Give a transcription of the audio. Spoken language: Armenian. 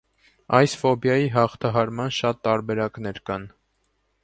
Այս ֆոբիայի հաղթահարման շատ տարբերակներ կան։